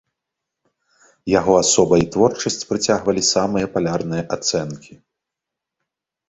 Яго асоба і творчасць прыцягвалі самыя палярныя ацэнкі.